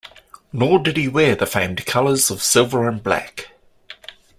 Nor did he wear the famed colors of silver and black.